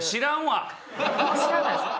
知らないですか？